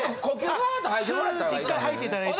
フーッて１回吐いていただいて。